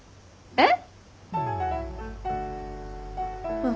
えっ！？